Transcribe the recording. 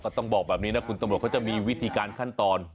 ต้องบอกแบบนี้นะคุณตำรวจเขาจะมีวิธีการขั้นตอน